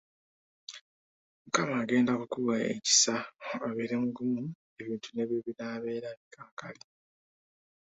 Mukama agenda kukuwa ekisa obeere mugumu ebintu ne bwe binaabeera bikakali.